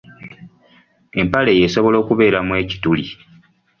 Empale eyo esobola okubeeramu ekituli.